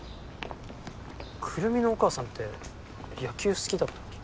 くるみのお母さんって野球好きだったっけ？